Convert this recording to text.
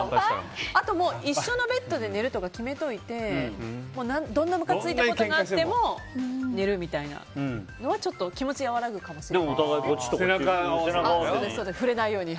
あと、一緒のベッドで寝るとか決めておいてどんなムカついたことがあっても寝るみたいなのはお互い、背中合わせに。